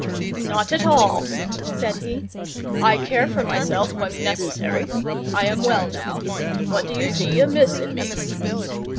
"Not at all," said he: "I care for myself when necessary. I am well now. What do you see amiss in me?"